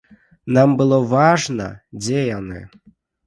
Нам было важна, дзе яны.